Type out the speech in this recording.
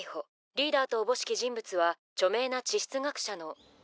リーダーとおぼしき人物は著名な地質学者の。